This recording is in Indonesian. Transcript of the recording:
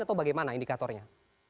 atau bagaimana indikatornya